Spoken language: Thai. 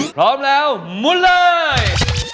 พร้อมแล้วมุนเลย